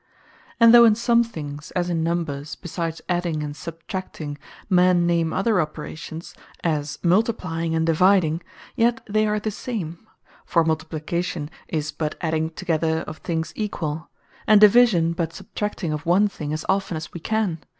And though in some things, (as in numbers,) besides Adding and Substracting, men name other operations, as Multiplying and Dividing; yet they are the same; for Multiplication, is but Addition together of things equall; and Division, but Substracting of one thing, as often as we can.